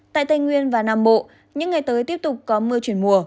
tại tây nguyên và nam bộ những ngày tới tiếp tục có mưa chuyển mùa